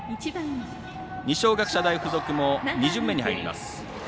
二松学舎大付属も２巡目に入ります。